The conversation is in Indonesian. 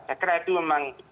saya kira itu memang